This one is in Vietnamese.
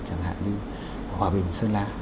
chẳng hạn như hòa bình sơn lạ